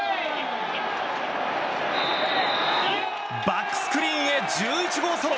バックスクリーンへ１１号ソロ。